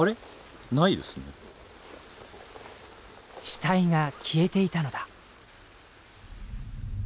死体が消えていたのだ。